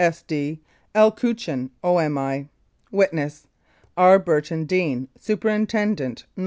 "(Sd.) L. COCHIN, O.M.I. "(Witness) R. BURTON DEANE, "Superintendent, N.W.